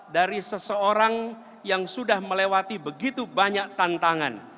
dari seseorang yang sudah melewati begitu banyak tantangan